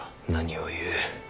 何を言う。